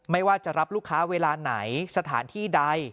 ไม่ว่าจะรับลูกค้าเวลาไหนสถานที่ใด